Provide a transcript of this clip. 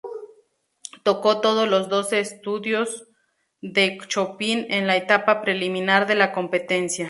Tocó todos los doce estudios de Chopin en la etapa preliminar de la competencia.